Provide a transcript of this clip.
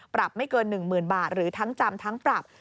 ปรับไม่เกิน๑๐๐๐บาทหรือทั้งจำทั้งปรับ